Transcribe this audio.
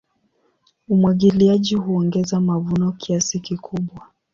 Umwagiliaji huongeza mavuno kiasi kikubwa.